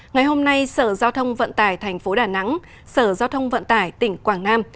ngày hôm nay sở giao thông vận tải tp đà nẵng sở giao thông vận tải tỉnh quảng nam